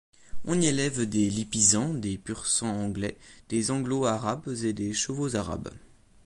On y élève des lipizzans, des pur-sang anglais, des anglos-arabes et des chevaux arabes.